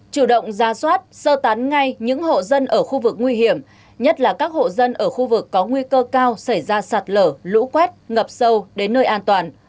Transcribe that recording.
chủ động ra soát sơ tán ngay những hộ dân ở khu vực nguy hiểm nhất là các hộ dân ở khu vực có nguy cơ cao xảy ra sạt lở lũ quét ngập sâu đến nơi an toàn